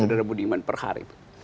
sudara budiman per hari